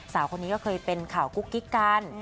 สาวคนนี้ก็เคยเป็นข่าวกุ๊กกิ๊กกัน